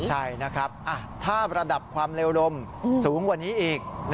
ใช่นะครับถ้าระดับความเร็วลมสูงกว่านี้อีก